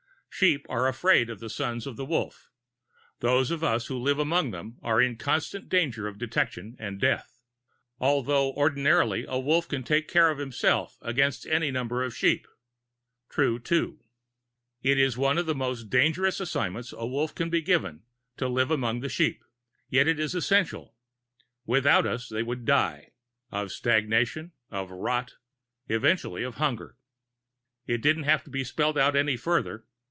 "Sheep are afraid of the Sons of the Wolf. Those of us who live among them are in constant danger of detection and death although ordinarily a Wolf can take care of himself against any number of sheep." True, too. "It is one of the most dangerous assignments a Wolf can be given to live among the sheep. Yet it is essential. Without us, they would die of stagnation, of rot, eventually of hunger." It didn't have to be spelled out any further.